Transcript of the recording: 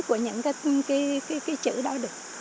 của những cái chữ đó được